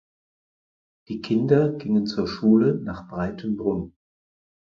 Die Kinder gingen zur Schule nach Breitenbrunn.